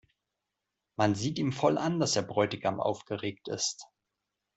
Man sieht ihm voll an, dass der Bräutigam aufgeregt ist.